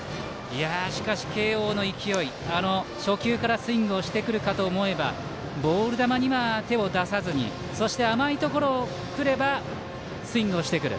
しかし慶応の勢い初球からスイングをしてくるかと思えばボール球には手を出さずにそして甘いところにくればスイングをしてくる。